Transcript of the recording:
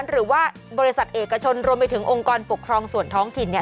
หรือว่าบริษัทเอกชนรวมไปถึงองค์กรปกครองส่วนท้องถิ่นเนี่ย